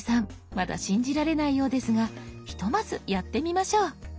まだ信じられないようですがひとまずやってみましょう。